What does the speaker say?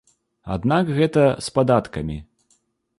Аднак гэта з падаткамі.